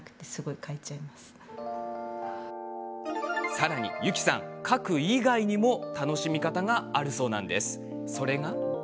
さらに、ゆきさん書く以外にも楽しみ方があるそうなんですがそれが。